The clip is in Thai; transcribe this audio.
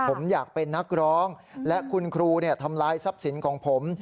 ผมอยากเป็นนักร้องและคุณครูทำลายทรัพย์สินของผม